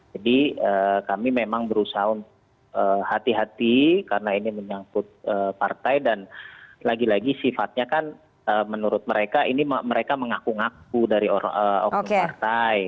kami memang berusaha hati hati karena ini menyangkut partai dan lagi lagi sifatnya kan menurut mereka ini mereka mengaku ngaku dari oknum partai